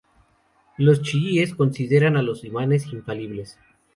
Los chiíes consideran a los imanes infalibles.